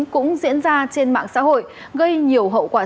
cũng diễn ra trên mạng xã hội gây nhiều hậu quả